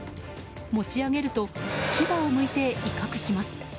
持ち上げると牙をむいて威嚇します。